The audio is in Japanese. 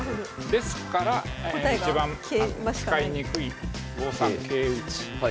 ですから一番使いにくい５三桂打。